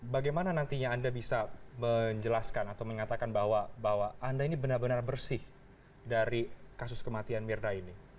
bagaimana nantinya anda bisa menjelaskan atau mengatakan bahwa anda ini benar benar bersih dari kasus kematian mirna ini